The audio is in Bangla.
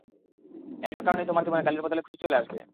এটার কারনেই তোমার জীবনে গালির বদলে খুশি চলে আসবে।